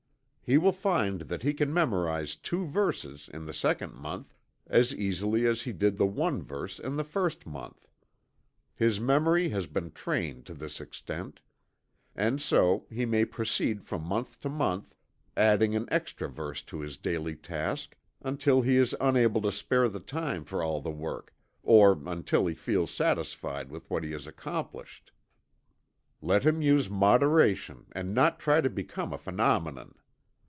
He will find that he can memorize two verses, in the second month, as easily as he did the one verse in the first month. His memory has been trained to this extent. And so, he may proceed from month to month, adding an extra verse to his daily task, until he is unable to spare the time for all the work, or until he feels satisfied with what he has accomplished. Let him use moderation and not try to become a phenomenon.